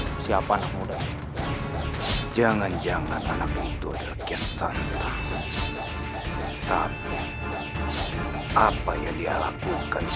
muda iya siapa dia siapa muda jangan jangan anak itu ada kek santai tapi apa yang dia lakukan